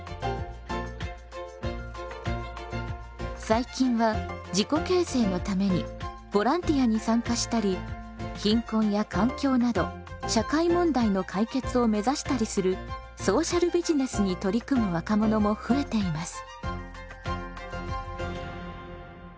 最近は自己形成のためにボランティアに参加したり貧困や環境など社会問題の解決を目指したりするソーシャルビジネスに取り組む若者も増えています。